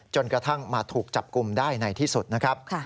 จนกระทั่งมาถูกจับกลุ่มได้ในที่สุดนะครับ